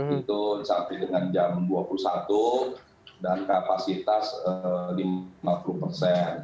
itu sampai dengan jam dua puluh satu dan kapasitas lima puluh persen